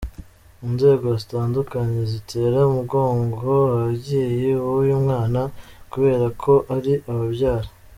Inzego zitandukanye zitera umugongo ababyeyi b’uyu mwana kubera ko ari “ababyara”.